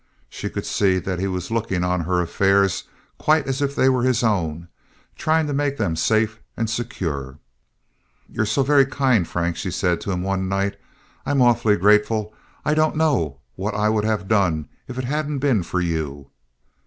She could see that he was looking on her affairs quite as if they were his own, trying to make them safe and secure. "You're so very kind, Frank," she said to him, one night. "I'm awfully grateful. I don't know what I would have done if it hadn't been for you."